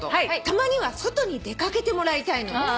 「たまには外に出掛けてもらいたいのです」